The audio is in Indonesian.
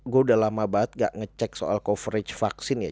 gue udah lama banget gak ngecek soal coverage vaksin ya